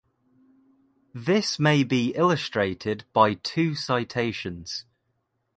This may be illustrated by two citations.